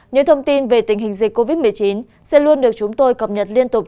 những thông tin về tình hình dịch covid một mươi chín sẽ luôn được chúng tôi cập nhật liên tục